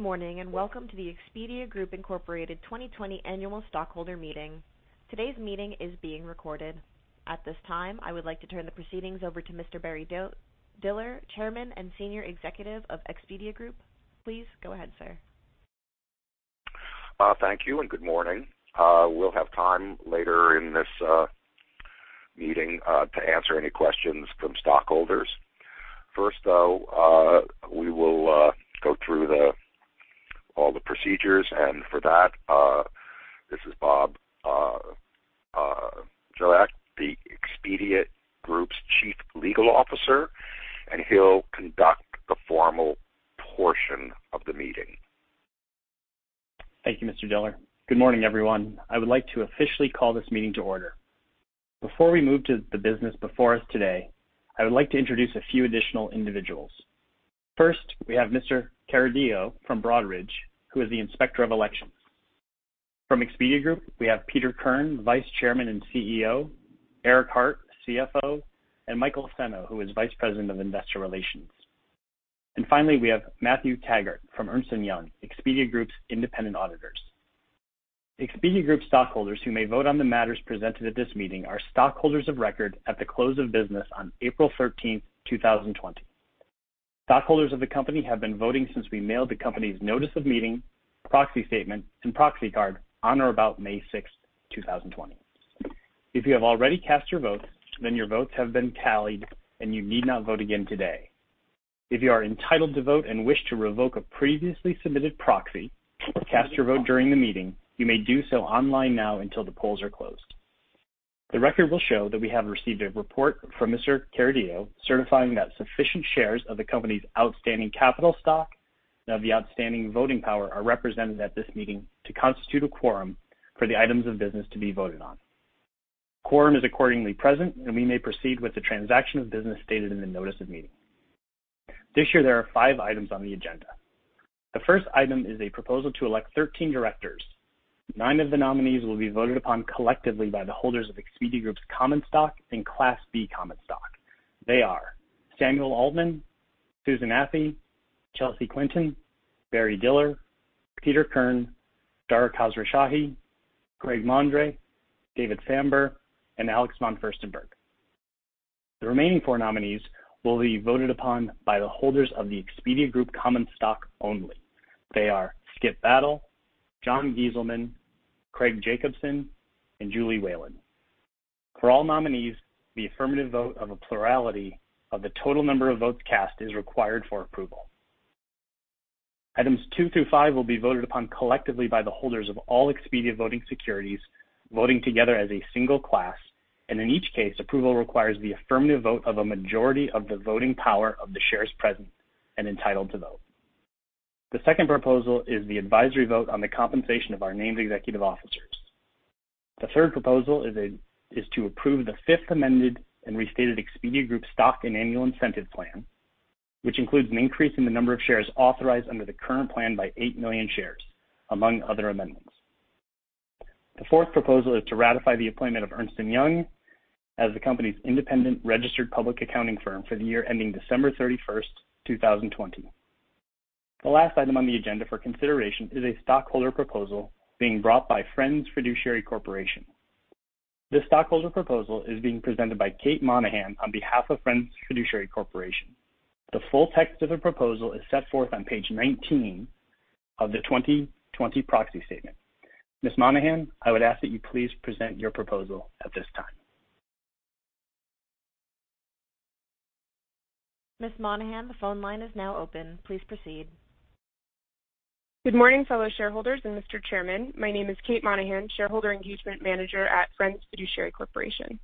Good morning, and welcome to the Expedia Group Incorporated 2020 annual stockholder meeting. Today's meeting is being recorded. At this time, I would like to turn the proceedings over to Mr. Barry Diller, Chairman and Senior Executive of Expedia Group. Please go ahead, sir. Thank you. Good morning. We'll have time later in this meeting to answer any questions from stockholders. First, though, we will go through all the procedures. For that, this is Bob Dzielak, Expedia Group's Chief Legal Officer, and he'll conduct the formal portion of the meeting. Thank you, Mr. Diller. Good morning, everyone. I would like to officially call this meeting to order. Before we move to the business before us today, I would like to introduce a few additional individuals. First, we have Mr. Carideo from Broadridge, who is the Inspector of Elections. From Expedia Group, we have Peter Kern, Vice Chairman and CEO, Eric Hart, CFO, and Michael Senno, who is Vice President of Investor Relations. Finally, we have Matthew Taggart from Ernst & Young, Expedia Group's independent auditors. Expedia Group stockholders who may vote on the matters presented at this meeting are stockholders of record at the close of business on April 13th, 2020. Stockholders of the company have been voting since we mailed the company's notice of meeting, proxy statement, and proxy card on or about May 6th, 2020. If you have already cast your vote, then your votes have been tallied, and you need not vote again today. If you are entitled to vote and wish to revoke a previously submitted proxy or cast your vote during the meeting, you may do so online now until the polls are closed. The record will show that we have received a report from Mr. Carideo certifying that sufficient shares of the company's outstanding capital stock and of the outstanding voting power are represented at this meeting to constitute a quorum for the items of business to be voted on. Quorum is accordingly present, and we may proceed with the transaction of business stated in the notice of meeting. This year, there are five items on the agenda. The first item is a proposal to elect 13 directors. Nine of the nominees will be voted upon collectively by the holders of Expedia Group's common stock and Class B common stock. They are Samuel Altman, Susan Athey, Chelsea Clinton, Barry Diller, Peter Kern, Dara Khosrowshahi, Greg Mondre, David Sambur, and Alex von Furstenberg. The remaining four nominees will be voted upon by the holders of the Expedia Group common stock only. They are Skip Battle, Jon Gieselman, Craig Jacobson, and Julie Whalen. For all nominees, the affirmative vote of a plurality of the total number of votes cast is required for approval. Items two through five will be voted upon collectively by the holders of all Expedia voting securities, voting together as a single class, and in each case, approval requires the affirmative vote of a majority of the voting power of the shares present and entitled to vote. The second proposal is the advisory vote on the compensation of our named executive officers. The third proposal is to approve the Fifth Amended and Restated Expedia Group Stock and Annual Incentive Plan, which includes an increase in the number of shares authorized under the current plan by 8 million shares, among other amendments. The fourth proposal is to ratify the appointment of Ernst & Young as the company's independent registered public accounting firm for the year ending December 31st, 2020. The last item on the agenda for consideration is a stockholder proposal being brought by Friends Fiduciary Corporation. This stockholder proposal is being presented by Kate Monahan on behalf of Friends Fiduciary Corporation. The full text of the proposal is set forth on page 19 of the 2020 proxy statement. Ms. Monahan, I would ask that you please present your proposal at this time. Ms. Monahan, the phone line is now open. Please proceed. Good morning, fellow shareholders and Mr. Chairman. My name is Kate Monahan, Shareholder Engagement Manager at Friends Fiduciary Corporation.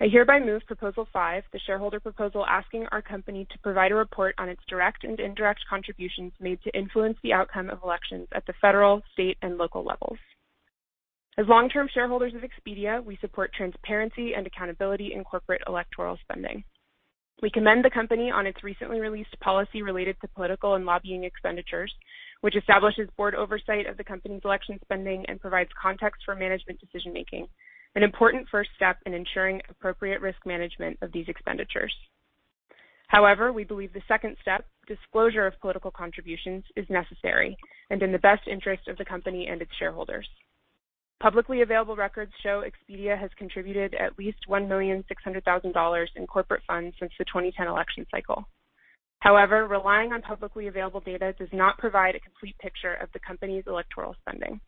I hereby move Proposal 5, the shareholder proposal asking our company to provide a report on its direct and indirect contributions made to influence the outcome of elections at the federal, state, and local levels. As long-term shareholders of Expedia, we support transparency and accountability in corporate electoral spending. We commend the company on its recently released policy related to political and lobbying expenditures, which establishes board oversight of the company's election spending and provides context for management decision-making, an important first step in ensuring appropriate risk management of these expenditures. We believe the second step, disclosure of political contributions, is necessary and in the best interest of the company and its shareholders. Publicly available records show Expedia has contributed at least $1,600,000 in corporate funds since the 2010 election cycle. Relying on publicly available data does not provide a complete picture of the company's electoral spending.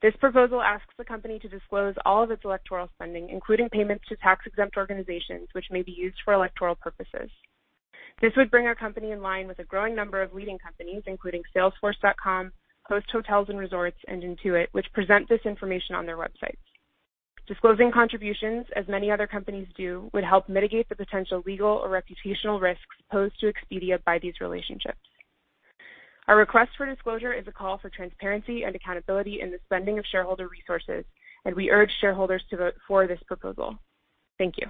This proposal asks the company to disclose all of its electoral spending, including payments to tax-exempt organizations which may be used for electoral purposes. This would bring our company in line with a growing number of leading companies, including Salesforce.com, Host Hotels & Resorts, and Intuit, which present this information on their websites. Disclosing contributions, as many other companies do, would help mitigate the potential legal or reputational risks posed to Expedia by these relationships. Our request for disclosure is a call for transparency and accountability in the spending of shareholder resources, and we urge shareholders to vote for this proposal. Thank you.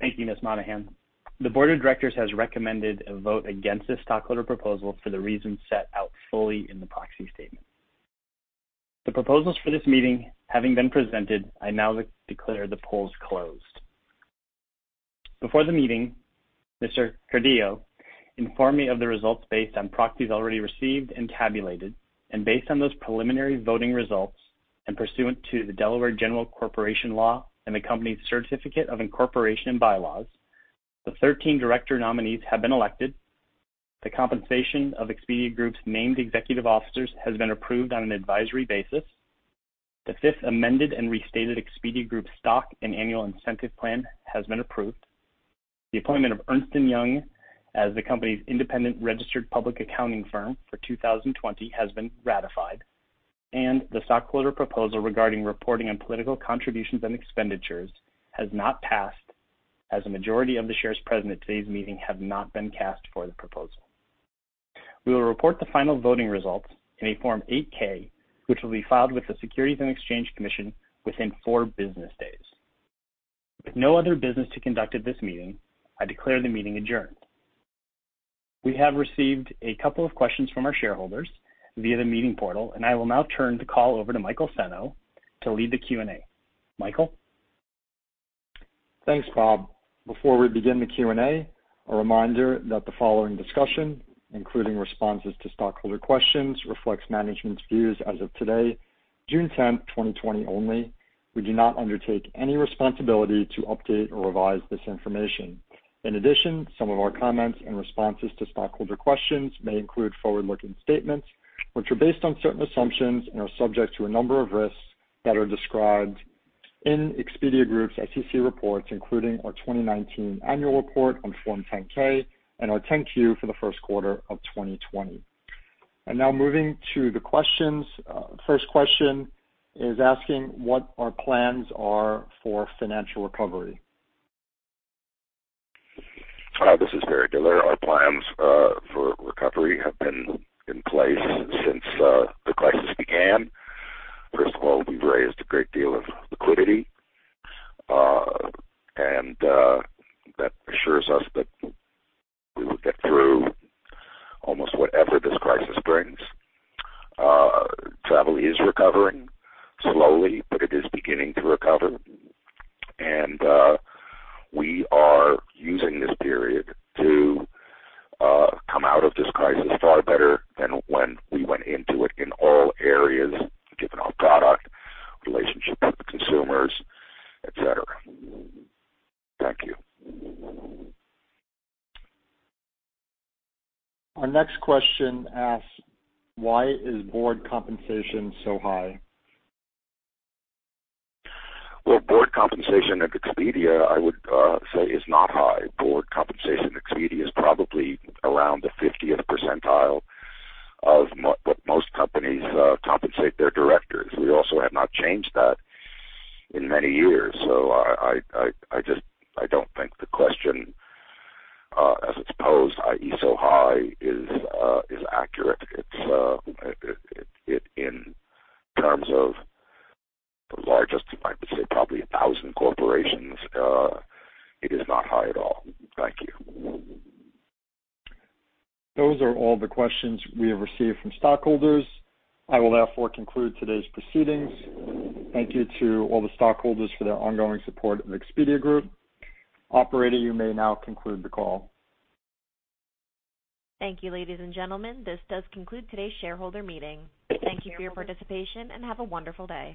Thank you, Ms. Monahan. The board of directors has recommended a vote against this stockholder proposal for the reasons set out fully in the proxy statement. The proposals for this meeting having been presented, I now declare the polls closed. Based on those preliminary voting results, and pursuant to the Delaware General Corporation Law and the company's certificate of incorporation bylaws, the 13 director nominees have been elected. The compensation of Expedia Group's named executive officers has been approved on an advisory basis. The Fifth Amended and Restated Expedia Group Stock and Annual Incentive Plan has been approved. The appointment of Ernst & Young as the company's independent registered public accounting firm for 2020 has been ratified, and the stockholder proposal regarding reporting on political contributions and expenditures has not passed, as a majority of the shares present at today's meeting have not been cast for the proposal. We will report the final voting results in a Form 8-K, which will be filed with the Securities and Exchange Commission within four business days. With no other business to conduct at this meeting, I declare the meeting adjourned. We have received a couple of questions from our shareholders via the meeting portal, and I will now turn the call over to Michael Senno to lead the Q&A. Michael? Thanks, Bob Dzielak. Before we begin the Q&A, a reminder that the following discussion, including responses to stockholder questions, reflects management's views as of today, June 10, 2020 only. We do not undertake any responsibility to update or revise this information. In addition, some of our comments and responses to stockholder questions may include forward-looking statements, which are based on certain assumptions and are subject to a number of risks that are described in Expedia Group's SEC reports, including our 2019 annual report on Form 10-K and our 10-Q for the first quarter of 2020. Now moving to the questions. First question is asking what our plans are for financial recovery. This is Barry Diller. Our plans for recovery have been in place since the crisis began. First of all, we've raised a great deal of liquidity. That assures us that we will get through almost whatever this crisis brings. Travel is recovering slowly. It is beginning to recover. We are using this period to come out of this crisis far better than when we went into it in all areas, given our product relationship with the consumers, et cetera. Thank you. Our next question asks why is board compensation so high? Well, board compensation at Expedia, I would say, is not high. Board compensation at Expedia is probably around the 50th percentile of what most companies compensate their directors. I don't think the question, as it's posed, i.e., so high, is accurate. In terms of the largest, I would say probably a 1,000 corporations, it is not high at all. Thank you. Those are all the questions we have received from stockholders. I will therefore conclude today's proceedings. Thank you to all the stockholders for their ongoing support of Expedia Group. Operator, you may now conclude the call. Thank you, ladies and gentlemen. This does conclude today's shareholder meeting. Thank you for your participation, and have a wonderful day.